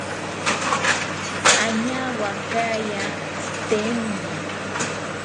Añawakaya tzitenini